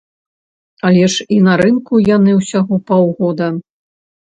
Але ж і на рынку яны ўсяго паўгода.